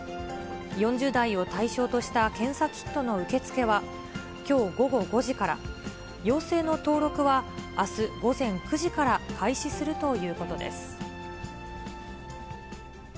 ４０代を対象とした検査キットの受け付けは、きょう午後５時から、陽性の登録はあす午前９時から開始するということです。